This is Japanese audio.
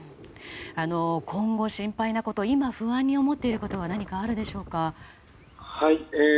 今後、心配なこと今、不安に思っていることは何かあるでしょうか？